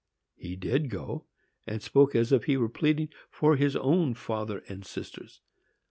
He did go, and spoke as if he were pleading for his own father and sisters.